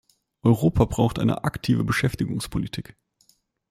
Europa braucht eine aktive Beschäftigungspolitik.